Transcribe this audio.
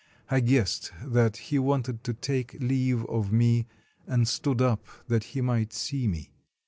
I guessed that he wanted to take leave of me, and stood up that he might see me.